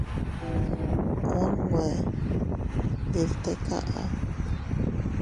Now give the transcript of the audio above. Unwe ndi bte kaʼa.